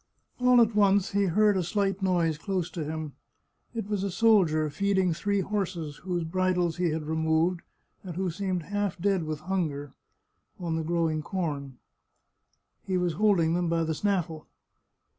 All at once he heard a slight noise close to him. It was a soldier feeding three 66 The Chartreuse of Parma horses, whose bridles he had removed and who seemed half dead with hunger, on the growing corn. He was holding them by the snaffle.